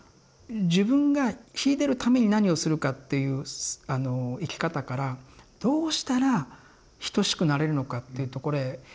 自分が秀でるために何をするかっていう生き方からどうしたら等しくなれるのかっていうところへ。